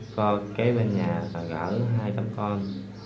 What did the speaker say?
kho kế bên nhà và gỡ hai tấm con